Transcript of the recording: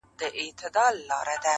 هم په زور او هم په ظلم آزمېیلي!.